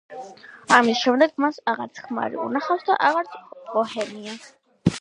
ამის შემდეგ მას აღარც ქმარი უნახავს და აღარც ბოჰემია.